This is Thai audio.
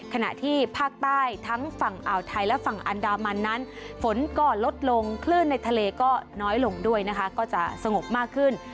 ขณะที่ภาคใต้ทั้งฝั่งอ่าวไทยและฝั่งอันดามันนั้นฝนก็ลดลงคลื่นในทะเลก็น้อยลงด้วยนะคะก็จะสงบมากขึ้น